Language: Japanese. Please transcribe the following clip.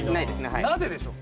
なぜでしょう？